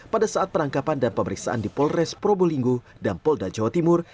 pada saat penangkapan dan pemeriksaan di polres probolinggo dan polda jawa timur